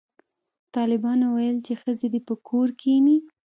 طالبانو ویل چې ښځې دې په کور کښېني